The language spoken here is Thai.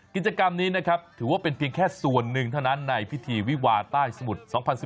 กิจกรรมนี้นะครับถือว่าเป็นเพียงแค่ส่วนหนึ่งเท่านั้นในพิธีวิวาใต้สมุทร๒๐๑๙